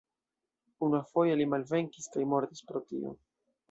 Unuafoje li malvenkis kaj mortis pro tio.